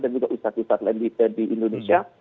dan juga ustadz ustadz lendita di indonesia